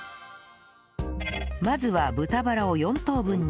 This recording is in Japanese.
まずは豚バラを４等分に